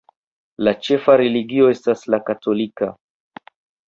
La ĉefa religio estas la katolika.